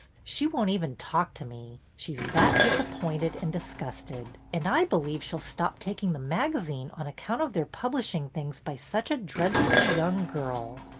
She won't even talk to me, she 's that disappointed and dis gusted ; and I believe she 'll stop taking the magazine on account of their publishing things by such a dreadfully young girl."